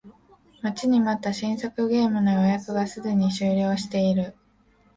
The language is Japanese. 待ちに待った新作ゲームの予約がすでに終了している